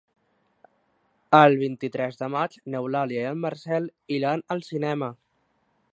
El vint-i-tres de maig n'Eulàlia i en Marcel iran al cinema.